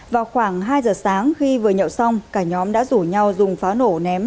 vào khoảng hai giờ sáng khi vừa nhậu xong cả nhóm đã rủ nhau dùng phá nổ ném